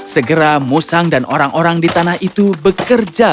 segera musang dan orang orang di tanah itu bekerja